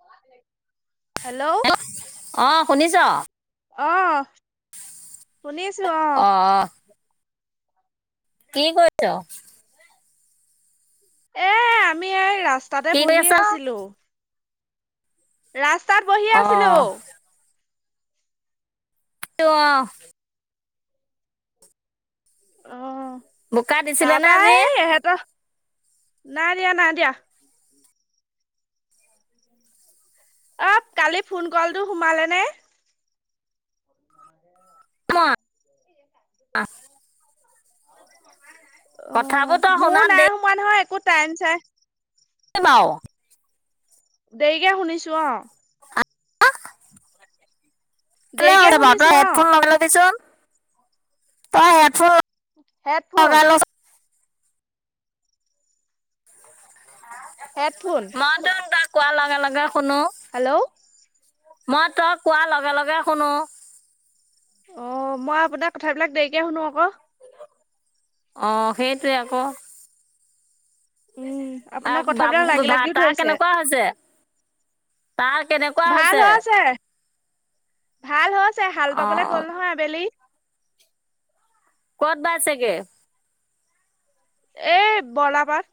[unintelligible] Hello অ, শুনিছ? অহ, শুনিছোঁ অহ, অ কি কৰিছ? এ, আমি এই ৰাস্তাতে কি কৰি বহি আছ আছিলোঁ। ৰাস্তাত বহি অ আছিলোঁ। [unintelligible] অ, বোকা দিছিলে তাৰ নে পৰা আজি এই এহেঁতৰ নাই দিয়া, নাই দিয়া। অ, কালি ফোন ক'লটো সোমালে নে? [unintelligible] কথাবোৰ অ', তই মোৰো শুনাত নাই দেৰি সোমোৱা নহয় একো টাইম চাই [unintelligible] দেৰিকে শুনিছোঁ অ', দেৰিকে শুনিছো অ [unintelligible] তই হেডফোন হেডফোন? লগাই ল হেডফোন? মই তোন তই কোৱাৰ লগে লগে শুনো। হেল্ল' মই তই কোৱা লগে লগে শুনো। অ', মই আপোনাৰ কথাবিলাক দেৰিকে শুনো আকৌ। অ, সেইটোৱে আকৌ। উম আপোনাৰ বা কথাবিলাক লাগি লাগিও [unintelligible] ধৰিছে কেনেকুৱা হৈছে? তাৰ কেনেকুৱা ভাল হৈছে, ভাল হৈছে, হাল অ বাবলে গল নহয় আবেলি। ক'ত বাইছেগে? এই বৰলাপাৰত।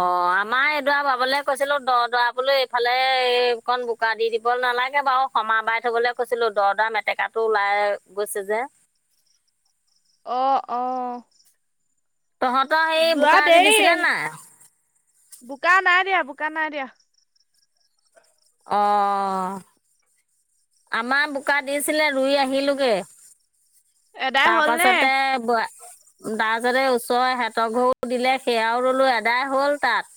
অ, আমাৰ এইডৰা ভাবলৈ কৈছিলোঁ দ' দৰা বোলো এইফালে এইকন বোকা দি দিব নালাগে বাৰু, সমা বাই থবলৈ কৈছিলোঁ দ' দৰা মেটেকাটো ওলাই গৈছে যে। [unintelligible] অ', অ, তহঁতৰ সেই যোৱা বোকা আজি দেৰি দিছিলে নাই? বোকা নাই দিয়া, বোকা নাই দিয়া। অ', আমাৰ বোকা দিছিলে, ৰুই আহিলোঁগে। এদাই তাৰ হ'ল নে? পাছতে ব তাৰ পিছতে এই, ওচৰৰ এহেতৰ ঘৰু দিলে সেয়াও ৰুলো এদাই হ'ল তাত।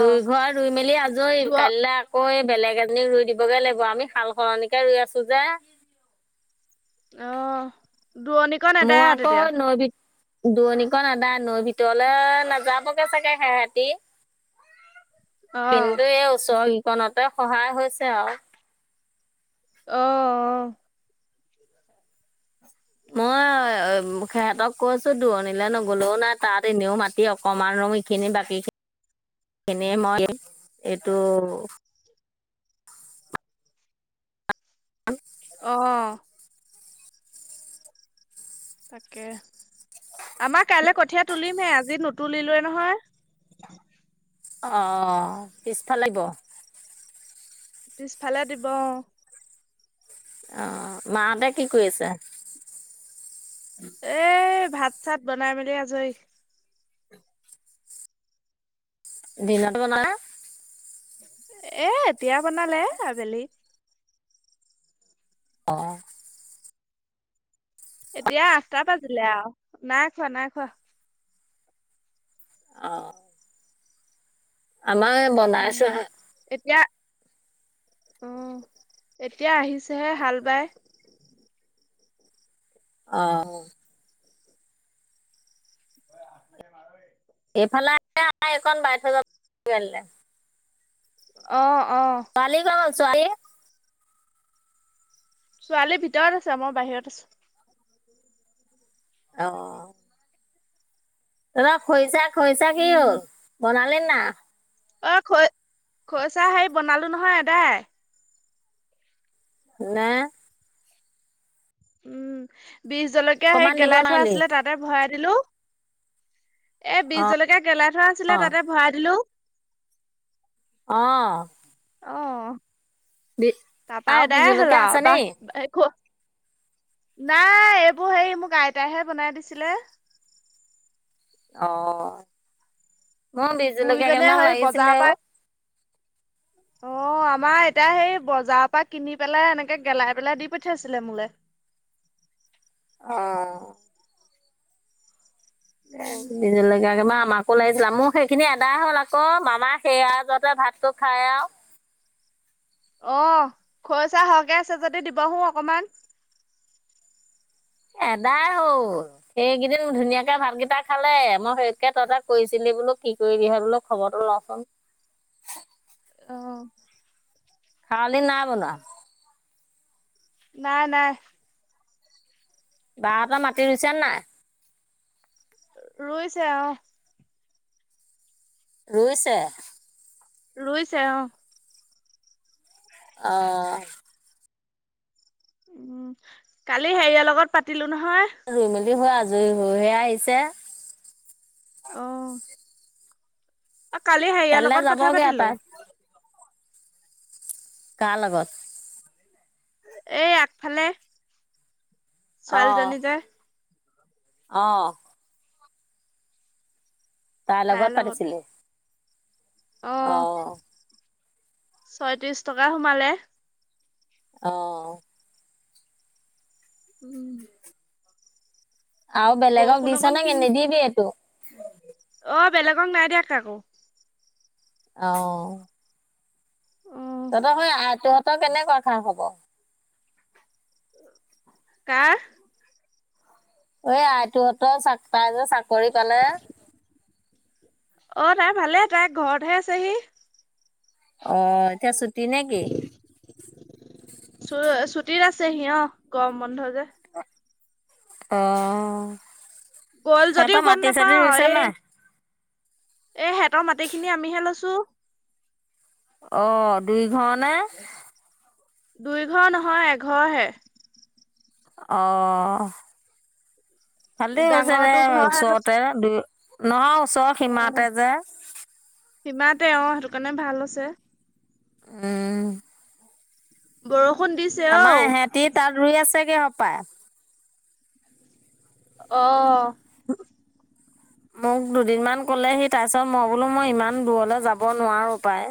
দুই ঘৰ দুই মেলি আজৰি, দূৰ কাইিললৈ আকৌ এই বেলেগ এজনীক ৰুই দিবগে লাগিব, আমি সাল সলনিকে ৰুই আছো যে। অ, দুৰণিকন আদায় আৰু তেতিয়া? দুৰণীকন এদাই, নৈ ভিতৰলৈ নাযাবগে চাগে সেহেতি। অ', কিন্তু এই ওচৰ গিকনতে সহায় হৈছে আৰু। অ, অ, মই সিহঁতক কৈছোঁ দূৰণিলৈ নগ'লেও নাই। তাত এনেইও মাটি অকণমান ৰওঁ এইখিনি বাকীখিনি। এনে মই এইটো। উম। অহ' তাকে আমাৰ কাইলৈ কঠীয়া তুলিমহে, আজি নুতুলিলোৱে নহয়। অ' পিছফালে গ পিছফালে দিব অ' আহ, মাহঁতে কি কৰিছে? এ ভাত চাত বনাই মেলি আজৰি। দিনত বনালে। এ এতিয়া বনালে আবেলি। অ' এতিয়া আঠটা বাজিলে আৰু নাই খোৱা নাই খোৱা। অ' আমাৰ বনাইছোহে। আহ এতিয়া আহিছেহে হাল বাই। অ' [unintelligible] এইফালে আহালে আমা এইকণ বাই থৈ যাব [unintelligible] অ' অ ছোৱালী গ'ল ছোৱালী। ছোৱালীৰ ভিতৰত আছে, মই বাহিৰত আছো। অ' এবাৰ খৈৰছা খৈৰছা কি হ'ল বনালে নাই। অ' খ খৈৰচা হেৰি বনালো নহয় আদায়। নাই। উম, বিষ জলকীয়া সেই অকণমান দিব গেলাই থোৱা নোৱাৰিলি আছিলে তাতে ভৰাই দিলোঁ। এ বিহ অঁ জলকীয়া গেলাই থোৱা আছিলে অঁ তাতে ভৰাই দিলোঁ। আহ। তাৰাপাৰ আৰু বিহ আদায় হ'ল জলকীয়া আছে বা নি শেষ হ'ল। নাই এইবোৰ হেৰি মোক আইতাইহে বনাই দিছিলে। অহ' মোক বিহজলকীয়া বুঢ়ীজনীয়ে কেইটামান হেৰি বজাৰৰ লাগিছিলে অ'। পৰা [inaudible] অ' আমাৰ এতিয়া সেই বজাৰৰ পৰা কিনি পেলাই এনেকে গেলাই পেলাই দি পঠিয়াইছিলে মোলে। অহ' এ বিহ জলকীয়া [unintelligible] আমাকো লাগিছিলে, মোৰ সেইখিনি আদায় হ'ল আকৌ মামা সেইয়াজোৰতে ভাতটো খাই আ। [inaudible] অ', খৰিচা সহকে আছে যদি দিবহো অকমান। আদায় হ'ল সেইকেইদিন ধুনীয়াকে ভাতকেইটা খালে, মই সেইতকে তহঁতক কৈছিলি। বোলো কি কৰি হেয়া বোলো খবৰটো লওঁচোন। অহ' খাৱলি নাই বনোৱা। নাই, নাই। বা হত মাটি ৰুইছে নাই। ৰুইছে আহ। ৰুইছে। ৰুইছে অ' অহ' উম, কালি হেইয় লগত পাতিলোঁ নহয়। সি হৈ আজৰি হৈ হে আহিছে। অ'। অ, কালি হেইয় কাইলৈ লগত কথা যাবগে পাতিলোঁ। তাই। কাৰ লগত? এই আগফালে, অ', ছোৱালীজনী যে। অ'। তাইৰ লগত পাতিছিলি? অ'। ছয়ত্ৰিশ টকা সোমালে। অ'। উম। আও বেলেগক বৰষুণ দিছ অকণ নকি কিন নিদিবি এইটো। অ', বেলেগক নাই দিয়া কাকো। অ'। অ তহঁতৰ সৈ আইতুহঁতৰ কেনেকুৱা খা খবৰ? কাৰ? ঐ আইতুহঁতৰ চা তাই যে চাকৰি পালে। অ', তাই ভালে তাই ঘৰতহে আছেহি। অ', এতিয়া চুতি নেকি? চু-ছুটিত আছে সি অ', গম বন্ধ যে। অ'। গ'ল যদিও সিহঁতৰ গম মাটি চাটি নাপাওঁ ৰুইছে এ নাই? এ সেহেঁতৰ মাটি খিনি আমিহে লৈছোঁ। অ', দুয়ো ঘৰনে? দুইঘৰ নহয় এঘৰহে। অ', ভালেই হৈছে দে ডাঙৰটো ঘৰ হে লৈছে ওচৰতে দুই নহয় ওচৰৰ সিমাতে যে। তে অ', সেইটো কাৰণে ভাল হৈছে। উম। বৰ আমাৰ ইহঁতি তাত ৰুই আছেগে হপাই। অ'। [inaudible] মোক দুদিনমান ক'লে সি, তাৰপিছত মই বোলো মই ইমান দূৰলৈ যাব নোৱাৰো পায়।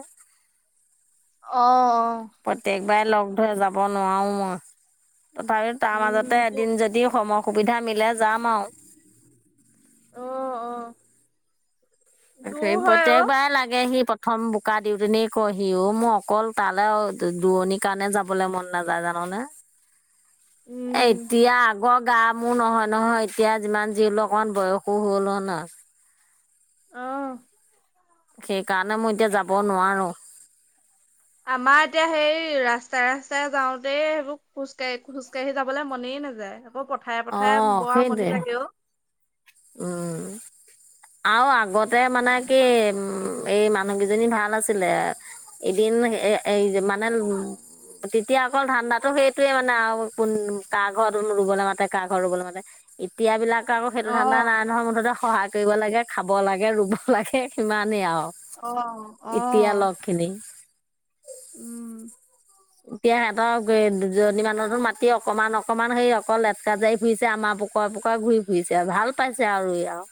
অ', অ। প্ৰত্যেকবাৰেই লগ ধৰে, যাব নোৱাৰো মই। তথাপি তাৰ মাজতে উম তো এদিন যদি সময় সুবিধা মিলে যাম আৰু। অহ, অহ। সেই প্ৰত্যেকবাৰেই লাগেহি প্ৰথম বোকা দিউতেনেই কয়হি অ, মোৰ অকল তালৈ দুৰণিৰ কাৰণেহে যাবলৈ মন নাযায় জান'। নে উম এতিয়া আ আগৰ গা মোৰ নহয় নহয়, এতিয়া যিমান হলেও অকমান বয়সো হ'ল ন। অহ। সেইকাৰণে মই এতিয়া যাব নোৱাৰো। আমাৰ এতিয়া সেই ৰাস্তাই ৰাস্তাই যাওঁতেই সেইবোৰ খোজকাঢ়ি খোজ কাঢ়ি যাবলৈ মনেই নাযায়। আকৌ পথাৰে পথাৰে অ' বৰ সেইটোৱে। আমনি লাগে অ। উম, আৰু আগতে মানে কি উম। এই মানুহ কেইজনী ভাল আছিলে, এদিন এ এই যে মানে তেতিয়া অকল ধানণ্ডাটো সেইটোয়েই মানে আৰু কোন কা ঘৰত ৰুবলৈ মাতে, কা ঘৰ ৰুবলৈ মাতে। এতিয়াবিলাক আক অ ধাণ্ডা নাই নহয়, মুঠতে সহায় কৰিব লাগে খাব লাগে, ৰুব লাগে সিমানেই আৰু। অ অ এতিয়া লগ খিনি। উম। এতিয়া সিহঁতৰ দুজনী মানুহতো মাতি অকমান, অকমান সেই অকল লেটকা জাৰি ফুৰিছে আমাৰ পোকৰে, পোকৰে ঘূৰি ফুৰিছে, ভাল পাইছে আৰু ই আৰু।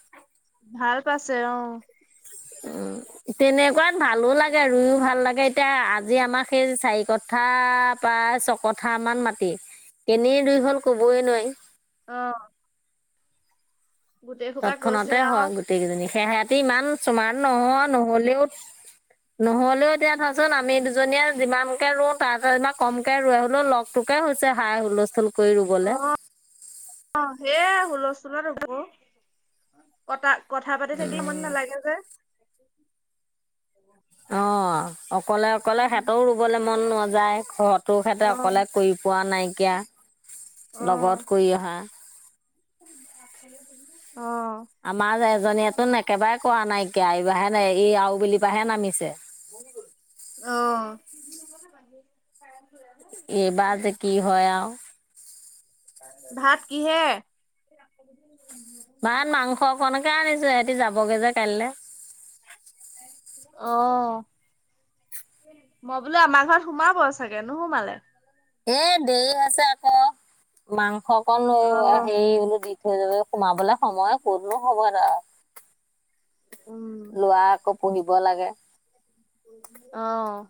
ভাল পাইছে অ'। উম, তেনেকুৱাত ভালো লাগে, ৰুইও ভাল লাগে। এতিয়া আজি আমাৰ সেই চাৰি কথা, প্ৰায় ছ কথা মান মাটি। কেনি ৰুই হ'ল কবই নোৱাৰি। অ'। গোটেই সোপা গৈছে তৎক্ষণতে আৰু হয় গোটেই কেইজনী, সেহতি ইমান স্মাৰ্ট নহয় নহলেও। নহ'লেও, এতিয়া ধৰাচোন আমি দুজনীয়ে যিমানকে ৰোওঁ, তাতকে কমকেই হ'লেও লগ হৈছে হাই হুলস্থুল। কৰি ৰুবলে অ', অ' সেয়াই হুলস্থুলত ৰুব কটা কথা পাতি উম থাকিলে আমনি নালাগে যে। অ', অকলে, অকলে উম, সিহঁতৰো ৰুবলে মন নাযায় ঘৰত। তো অ সিহঁতে অকলে কৰি পোৱা নাইকিয়া, অ লগত কৰি অহাঁ। [inaudible] আমাৰ এজনীয়েতো একেবাৰে কৰা নাইকিয়া এইবাৰহে এই আৰুবেলি পৰাহে নামিছে অ'। তাকে। এইবাৰ যে কি হয় আৰু। ভাত কিহে? ভাত মাংস অকণকে আনিছোঁ, সিহঁতি যাবগে যে কাইলে। অ', মই বোলো আমাৰ ঘৰত সোমাব চাগে নোসোমালে। এ, দেৰি আছে আকৌ মাংস অকণ লও অ হেৰি বোলো দি স-সোমাবলে সময় ক'তনো হ'ব আৰু। উম। ল'ৰা আকৌ পঢ়িব লাগে। অ'।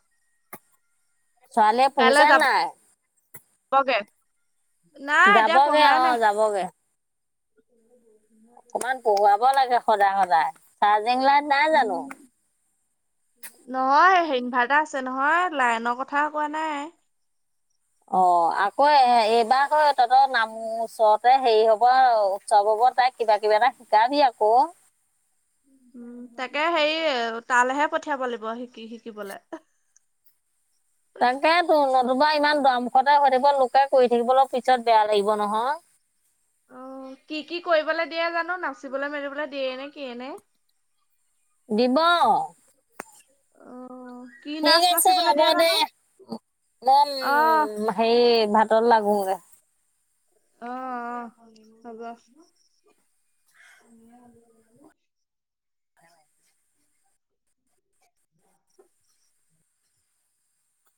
ছোৱালীয়ে পঢ়িছে নে নাই? কে নাই এতিয়া যাবগে পঢ়াই নাই। অ', যাবগে অকমান পঢ়োৱাব লাগে সদায়, সদায় চাৰ্জিং লাইট নাই জানো? উম নহয় ইনভাৰ্টাৰ আছে নহয়, লাইনৰ কথা কোৱা নাই। অ', আকৌ এইবাৰ আকৌ তহঁতৰ নাম ওচৰতে হেৰি হব উৎসৱ হব। তাইক কিবা কিবি এটা শিকাবি আকৌ। উম, তাকে হেৰি তালেহে পঠিয়াব লাগিব শিকি- শিকিবলৈ। [inaudible] নহ'বা ইমান দুৱামুখতেই হৈ থাকিব, লোকে কৰি থাকিবলৈ পিছত বেয়া লাগিব নহয়। অ', কি, কি কৰিবলৈ দিয়ে জানো নাচিবলৈ মেলিবলৈ দিয়ে নে কিয়ে নে। দিব। অ'। কি ঠিক নাচ আছে নাচিবলৈ হ'ব দিয়ে দে, জানো? মই অ উম, হেৰি ভাতত লাগো। উম দে। অ', অ' হ'ব। [inaudible]